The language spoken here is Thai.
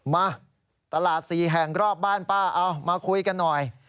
มาตลาด๔แห่งรอบบ้านป้าเอามาคุยกันหน่อย